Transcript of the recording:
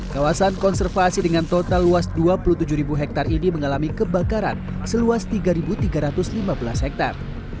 kawasan konservasi dengan total luas dua puluh tujuh hektare ini mengalami kebakaran seluas tiga tiga ratus lima belas hektare